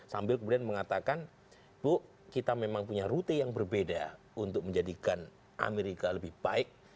sambil kemudian mengatakan bu kita memang punya rute yang berbeda untuk menjadikan amerika lebih baik